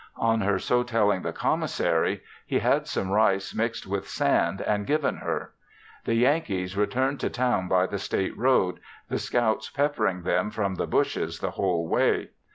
On her so telling the Commissary, he had some rice mixed with sand and given her. The Yankees returned to town by the State Road, the scouts peppering them from the bushes the whole way.